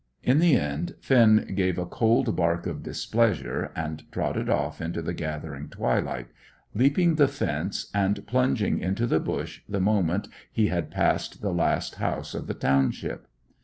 In the end, Finn gave a cold bark of displeasure and trotted off into the gathering twilight, leaping the fence and plunging into the bush the moment he had passed the last house of the township.